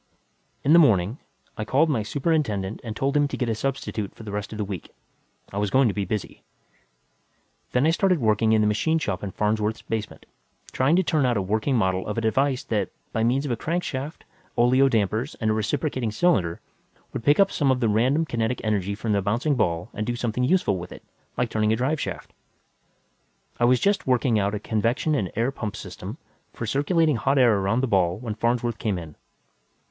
In the morning, I called my superintendent and told him to get a substitute for the rest of the week; I was going to be busy. Then I started working in the machine shop in Farnsworth's basement, trying to turn out a working model of a device that, by means of a crankshaft, oleo dampers and a reciprocating cylinder, would pick up some of that random kinetic energy from the bouncing ball and do something useful with it, like turning a drive shaft. I was just working out a convection and air pump system for circulating hot air around the ball when Farnsworth came in.